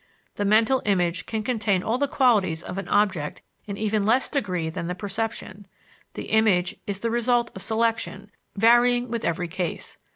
The mental image can contain all the qualities of an object in even less degree than the perception; the image is the result of selection, varying with every case.